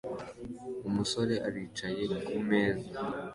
Umusore aricaye kumeza